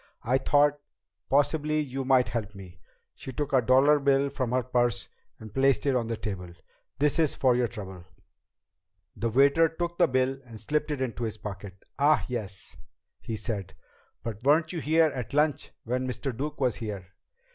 I thought possibly you might help me." She took a dollar bill from her purse and placed it on the table. "This is for your trouble." The waiter took the bill and slipped it into his pocket. "Ah, yes," he said. "But weren't you here at lunch when Mr. Duke was here?"